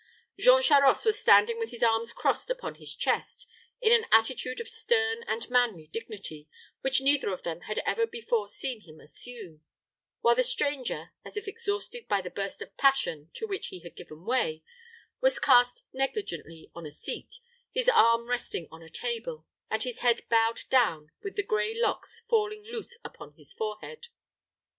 Jean Charost was standing with his arms crossed upon his chest, in an attitude of stern and manly dignity which neither of them had ever before seen him assume, while the stranger, as if exhausted by the burst of passion to which he had given way, was cast negligently on a seat, his arm resting on a table, and his head bowed down with the gray locks falling loose upon his forehead.